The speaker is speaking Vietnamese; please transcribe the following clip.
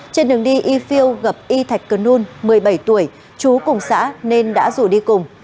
trên đường đi yifil gặp y thạch cân nun một mươi bảy tuổi chú cùng xã nên đã rủ đi cùng